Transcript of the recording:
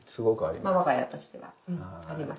まあ我が家としてはあります。